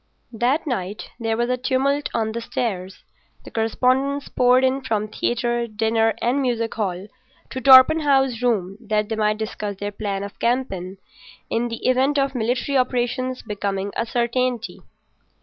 That night there was a tumult on the stairs. The correspondents poured in from theatre, dinner, and music hall to Torpenhow's room that they might discuss their plan of campaign in the event of military operations becoming a certainty.